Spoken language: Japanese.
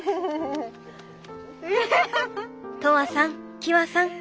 とわさんきわさん